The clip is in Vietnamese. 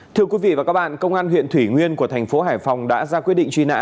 thưa quý vị và các bạn công an huyện thủy nguyên của thành phố hải phòng đã ra quyết định truy nã